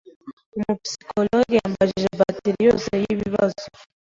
Umu psychologue yambajije bateri yose yibibazo.